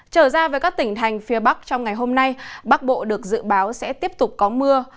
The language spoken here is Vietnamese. trở ra với các tỉnh thành phía bắc trong ngày hôm nay bắc bộ được dự báo sẽ tiếp tục có mưa